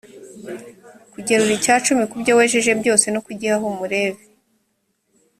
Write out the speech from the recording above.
kugerura icya cumi ku byo wejeje byose no kugihaho umulevi,